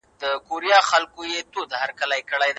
مثبت فکر د ژوند کیفیت ښه کوي.